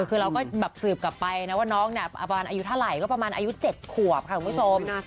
คือเราก็แบบสืบกลับไปนะว่าน้องเนี่ยประมาณอายุเท่าไหร่ก็ประมาณอายุ๗ขวบค่ะคุณผู้ชม